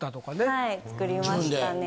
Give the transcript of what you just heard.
はい作りましたね。